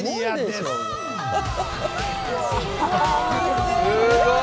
すごい！